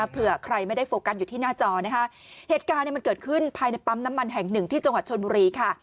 เผื่อใครไม่ได้โฟกัสอยู่ที่หน้าจอนะคะเหตุการณ์มันเกิดขึ้นภายในปั๊มน้ำมันแห่งหนึ่งที่จังหวัดชนบุรีค่ะ